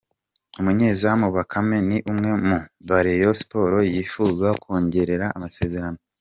Umunyezamu Bakame ni umwe mu bo Rayon Sports yifuza kongerera amasezerano.